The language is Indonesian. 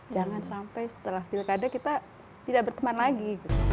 jangan sampai setelah pilkada kita tidak berteman lagi